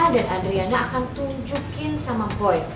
dan adriana akan tunjukin sama boy